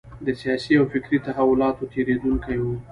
د سیاسي او فکري تحولاتو تېرېدونکی و.